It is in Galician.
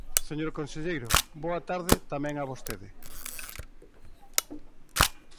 Señor conselleiro, boa tarde tamén a vostede.